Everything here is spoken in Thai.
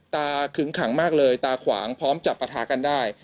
ขึงขังมากเลยตาขวางพร้อมจับประทะกันได้